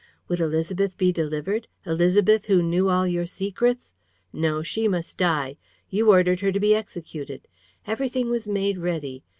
Would Élisabeth be delivered, Élisabeth who knew all your secrets? No, she must die. You ordered her to be executed. Everything was made ready.